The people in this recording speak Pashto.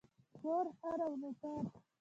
کور، خر او نوکر.